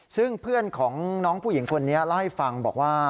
ซึ่งเพื่อนของน้องผู้หญิงคนนี้เล่าให้ฟังบอกว่า